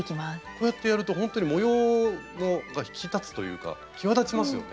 そうやってやるとほんとに模様が引き立つというか際立ちますよね。